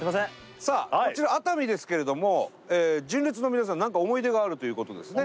さあこちら熱海ですけれども純烈の皆さん何か思い出があるということですね。